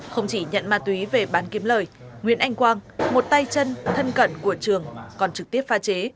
không chỉ nhận ma túy về bán kiếm lời nguyễn anh quang một tay chân thân cận của trường còn trực tiếp pha chế